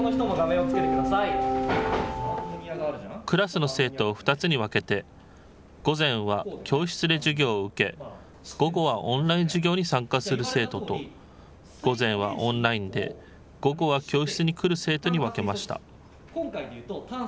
クラスの生徒を２つに分けて、午前は教室で授業を受け、午後はオンライン授業に参加する生徒と、午前はオンラインで、午後は教室に来る生徒に分けました。